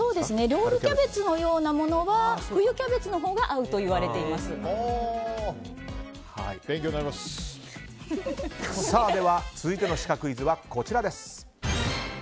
ロールキャベツのようなものは冬キャベツのほうがでは、続いてのシカクイズはこちらです。